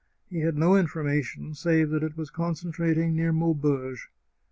He had no information save that it was concentrating near Maubeuge.